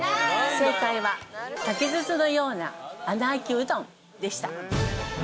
正解は、竹筒のような穴あきうどんでした。